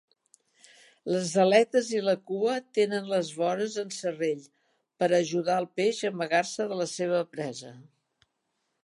Les aletes i la cua tenen les vores en serrell per a ajudar al peix a amagar-se de la seva presa.